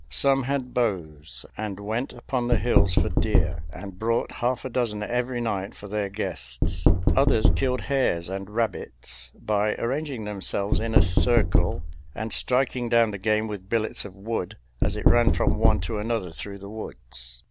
Some had bows, and went upon the hills for deer, and brought half a dozen every night for their guests; others killed hares and rabbits by arranging themselves in a circle and striking down the game with billets of wood as it ran from one to another through the woods.